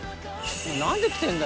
「何で来てんだよ？」